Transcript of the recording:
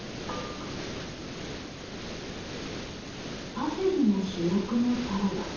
パセリが主役のサラダ。